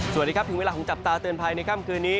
สวัสดีครับถึงเวลาของจับตาเตือนภัยในค่ำคืนนี้